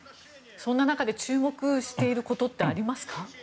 そんな中で注目していることってありますか。